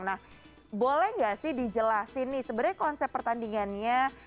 nah boleh nggak sih dijelasin nih sebenarnya konsep pertandingannya